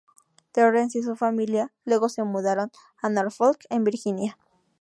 Terrence y su familia luego se mudaron a Norfolk, en Virginia.